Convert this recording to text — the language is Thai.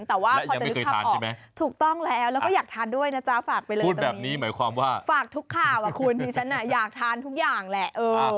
แต่ว่าพอจะนึกภาพออกถูกต้องแล้วแล้วก็อยากทานด้วยนะจ๊ะฝากไปเลยตรงนี้หมายความว่าฝากทุกข่าวอ่ะคุณที่ฉันอยากทานทุกอย่างแหละ